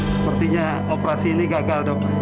sepertinya operasi ini gagal dong